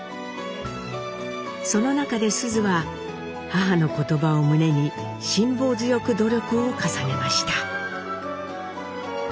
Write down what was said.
その中で須壽は母の言葉を胸に辛抱強く努力を重ねました。